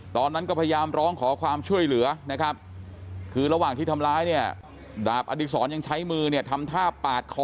ตอนนั้นก็พยายามร้องขอความช่วยเหลือดาบอดิษรยังใช้มือทำถ้าปาดคอ